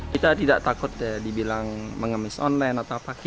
kita tidak takut dibilang mengemis online